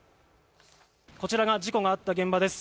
こちらが事故があった現場です。